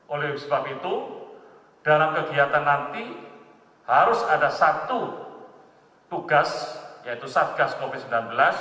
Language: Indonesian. oleh sebab itu dalam kegiatan nanti harus ada satu tugas yaitu satgas covid sembilan belas